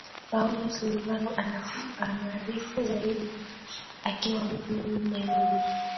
paulo silva anaarifu zaidi akiwa jijini nairobi